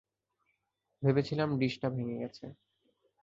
ভেবেছিলাম, ডিসটা ভেঙে গেছে।